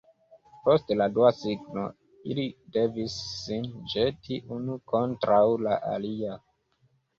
Post la dua signo ili devis sin ĵeti unu kontraŭ la alia.